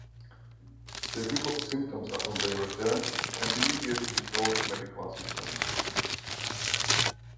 They developed symptoms upon their return and immediately sought medical assistance.